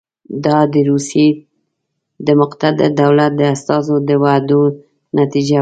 دا د روسیې د مقتدر دولت د استازو د وعدو نتیجه وه.